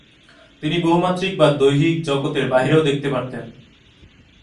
তিনি বহুমাত্রিক বা দৈহিক জগতের বাইরেও দেখতে পারেন।